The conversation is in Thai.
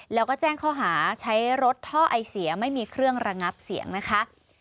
แล้วก็แจ้งข้อหาใช้รถท่อไอเสียไม่มีเครื่องระงับเสียงนะคะ